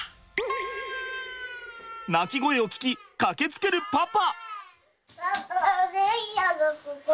泣き声を聞き駆けつけるパパ。